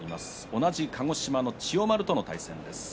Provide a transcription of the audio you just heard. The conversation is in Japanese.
同じ鹿児島の千代丸との対戦です。